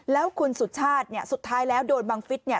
แล้วคุณสุชาติสุดท้ายแล้วโดนบังฤทธิ์